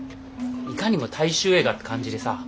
いかにも大衆映画って感じでさ。